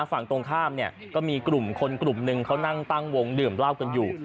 ฝั่งตรงข้ามเนี่ยก็มีกลุ่มคนกลุ่มหนึ่งเขานั่งตั้งวงดื่มเหล้ากันอยู่